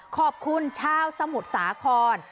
ขอบคุณชาวสมุทรสาคร